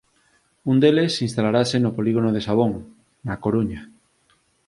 Un deles instalarase no polígono de Sabón, na Coruña.